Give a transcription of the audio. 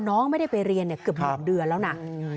น้องไม่ได้ไปเรียนเกือบ๑เดือนแล้วนะ